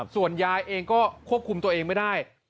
ส่วนยายเองก็ควบคุมตัวเองไม่ได้